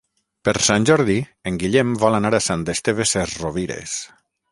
Per Sant Jordi en Guillem vol anar a Sant Esteve Sesrovires.